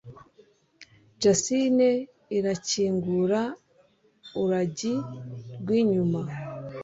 jasine irakingura uragi rwinyuma